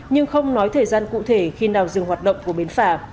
nhưng không nói thời gian cụ thể khi nào dừng hoạt động của bến phà